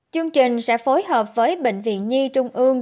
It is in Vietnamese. chương trình sẽ phối hợp với bệnh viện nhi trung ương